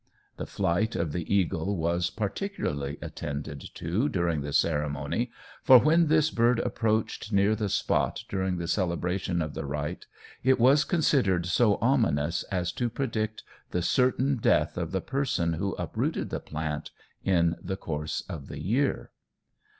The flight of the eagle was particularly attended to during the ceremony, for when this bird approached near the spot during the celebration of the rite, it was considered so ominous as to predict the certain death of the person who uprooted the plant in the course of the year.